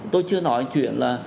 tôi chưa nói chuyện là